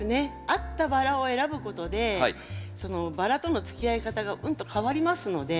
合ったバラを選ぶことでそのバラとのつきあい方がうんと変わりますので。